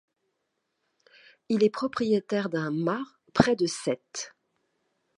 Il est propriétaire d'un mas près de Sète.